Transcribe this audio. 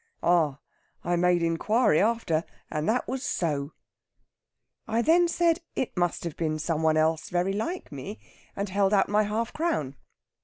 Ah! I made inquiry after, and that was so.' I then said it must have been some one else very like me, and held out my half crown.